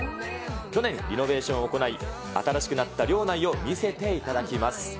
去年、リノベーションを行い新しくなった寮内を見せていただきます。